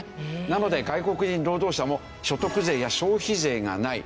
なので外国人労働者も所得税や消費税がない。